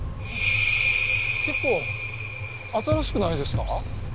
結構新しくないですか？